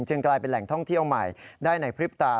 กลายเป็นแหล่งท่องเที่ยวใหม่ได้ในพริบตา